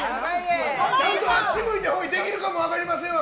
ちゃんとあっち向いてホイできるかも分かりませんわ。